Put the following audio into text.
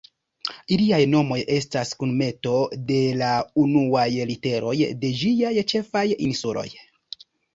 Iliaj nomoj estas kunmeto de la unuaj literoj de ĝiaj ĉefaj insuloj.